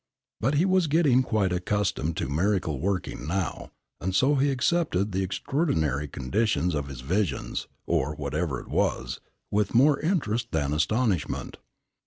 But he was getting quite accustomed to miracle working now, and so he accepted the extraordinary conditions of his visions, or whatever it was, with more interest than astonishment.